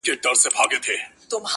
پښتانه لکه مګس ورباندي ګرځي،